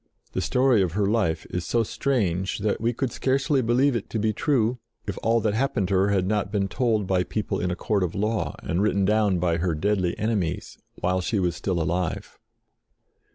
The story of her life is so strange that we could scarcely believe it to be true, if all that happened to her had not been told by people in a court of law, and written down by her deadly enemies, while she was still alive.